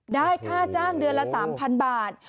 ได้ค่าจ้างเดือนละ๓๐๐บาท